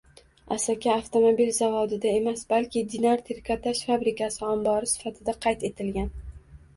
Asaka avtomobil zavodida emas, balki Dinar trikotaj fabrikasi ombori sifatida qayd etilgan